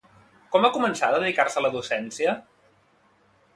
Quan va començar a dedicar-se a la docència?